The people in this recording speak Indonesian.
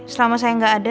selama saya nggak ada